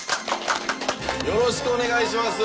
よろしくお願いします！